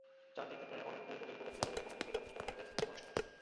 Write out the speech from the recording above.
চার দিক থেকে অনেক কুলবতী রূপবতী গুণবতী ধনবতী বিদ্যাবতী কুমারীদের খবর এসে পৌঁছোয়।